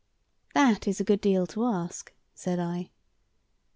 "That is a good deal to ask," said I.